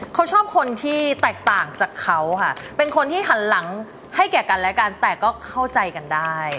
เขาชอบคนที่แตกต่างจากเขาค่ะเป็นคนที่หันหลังให้แก่กันและกันแต่ก็เข้าใจกันได้